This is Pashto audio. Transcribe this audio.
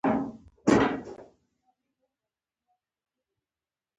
الکترو مقناطیس د جریان په بندېدو خپل اغېز له لاسه ورکوي.